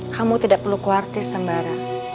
kamu tidak perlu khawatir sembarang